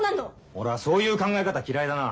俺はそういう考え方嫌いだな。